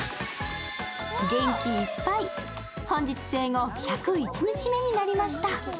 元気いっぱい、本日生後１０１日目になりました。